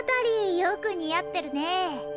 よくにあってるねえ。